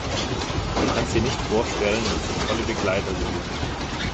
Du kannst dir nicht vorstellen, was für tolle Begleiter sie sind.